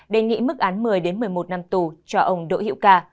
đề nghị mức án một mươi một mươi một năm tù cho ông đỗ hiệu ca